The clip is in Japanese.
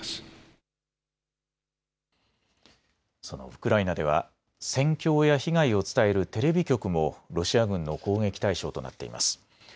そのウクライナでは戦況や被害を伝えるテレビ局もロシア軍の攻撃対象となっています。